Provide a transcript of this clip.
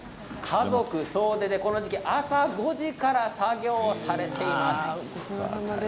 家族総出でこの時期朝５時から作業をされています。